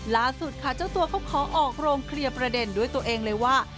ล่าสุดค่ะเจ้าตัวเขาขอออกโรงเคลียร์ประเด็นด้วยตัวเองเลยว่า